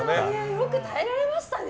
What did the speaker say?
よく耐えられましたね。